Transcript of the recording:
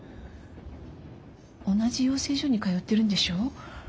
同じ養成所に通ってるんでしょ？